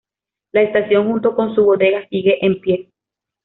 La estación, junto con su bodega siguen en pie.